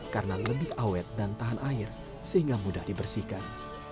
karena lebih awet dan tahan air sehingga mudah dibersihkan